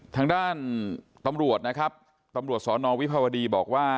ทางด้านตำรวจนะครับตำรวจสอนอวิภาวดีบอกว่า